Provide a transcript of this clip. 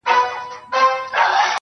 په يوه لاره کي پنډت بل کي مُلا وينم,